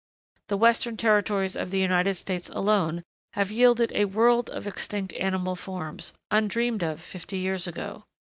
The western territories of the United States alone have yielded a world of extinct animal forms, undreamed of fifty years ago.